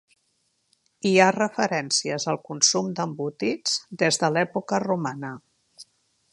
Hi ha referències al consum d'embotits des de l'època romana.